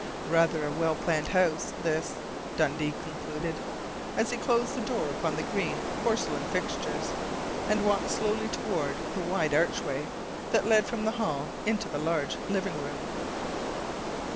Rather a well planned house, this, Dundee concluded, as he closed the door upon the green porcelain fixtures, and walked slowly toward the wide archway that led from the hall into a large living room.